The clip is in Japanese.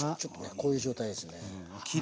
こういう状態ですね。